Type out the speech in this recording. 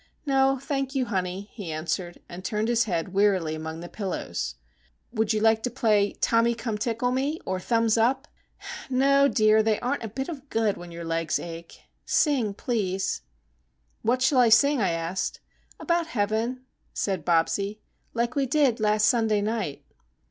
"No, thank you, honey," he answered, and turned his head wearily among the pillows. "Would you like to play 'Tommy Come Tickle Me,' or 'Thumbs Up'?" "No, dear, they aren't a bit of good when your legs ache. Sing, please." "What shall I sing?" I asked. "About Heaven," said Bobsie,—"like we did last Sunday night."